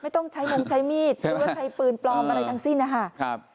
ต้องใช้มงใช้มีดหรือว่าใช้ปืนปลอมอะไรทั้งสิ้นนะคะ